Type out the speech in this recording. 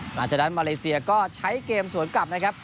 หลังจากนั้นมาเลเซียก็ใช้เกมสวนกลับนะครับ